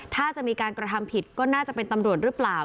ถ้าจะมีการกระทำผิดก็น่าจะเป็นตำรวจหรือเปล่า